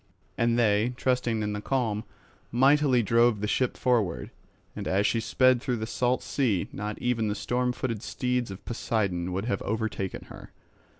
And they, trusting in the calm, mightily drove the ship forward; and as she sped through the salt sea, not even the storm footed steeds of Poseidon would have overtaken her.